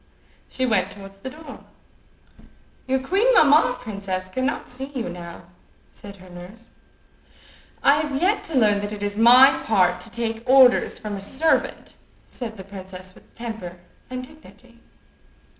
She went towards the door. "Your queen mamma, princess, cannot see you now," said her nurse. "I have yet to learn that it is my part to take orders from a servant," said the princess with temper and dignity.